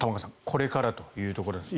これからというところです。